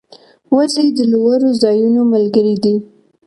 وزې د لوړو ځایونو ملګرې دي